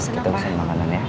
kita pesan makanan ya